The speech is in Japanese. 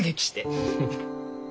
フフフ。